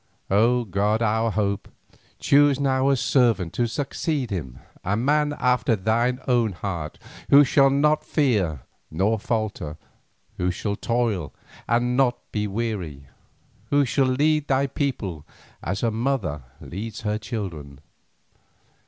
"O god our hope, choose now a servant to succeed him, a man after thine own heart, who shall not fear nor falter, who shall toil and not be weary, who shall lead thy people as a mother leads her children.